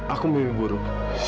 aku mimpi buruk